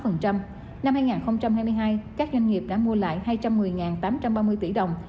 năm hai nghìn hai mươi hai các doanh nghiệp đã mua lại hai trăm một mươi tám trăm ba mươi tỷ đồng